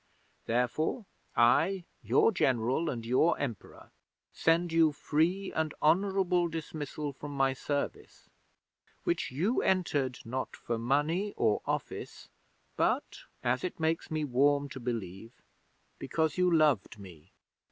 Therefore I, your General and your emperor, send you free and honourable dismissal from my service, which you entered, not for money or office, but, as it makes me warm to believe, because you loved me!